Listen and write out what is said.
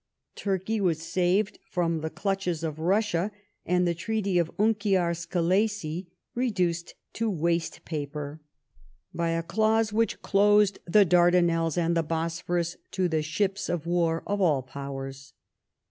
Turkey was saved from the clutches of Bussia, and the treaty of Unkiar Skelessi reduced to waste paper, by a clause which closed the Dardanelles and the Bosphorus to the ships of war of all Fowers.